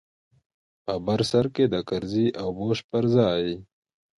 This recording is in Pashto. په بر سر کښې د کرزي او بوش پر ځاى.